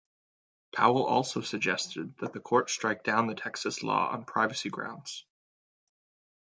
Powell also suggested that the Court strike down the Texas law on privacy grounds.